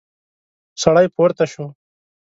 سړی پورته شو.